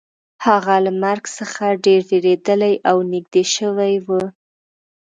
هغه له مرګ څخه ډیر ویریدلی او نږدې شوی و